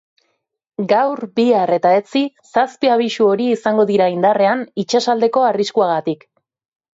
Gaur, bihar eta etzi zazpi abisu hori izango dira indarrean itsasaldeko arriskuagatik.